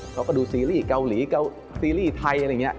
เขาก็ดูซีรีส์เกาหลีซีรีส์ไทยอะไรอย่างนี้